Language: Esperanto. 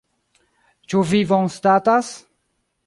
Ĉu vi bonstatas?